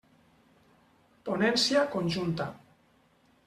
Ponència conjunta.